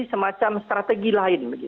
semacam strategi lain